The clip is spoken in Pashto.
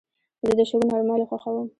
زه د شګو نرموالي خوښوم.